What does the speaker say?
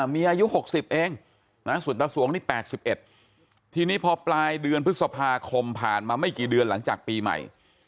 เมียอายุ๖๐เองส่วนตะสวงนี่๘๑